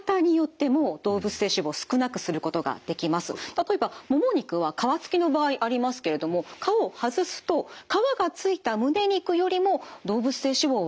例えばもも肉は皮つきの場合ありますけれども皮を外すと皮がついたむね肉よりも動物性脂肪は少なくなります。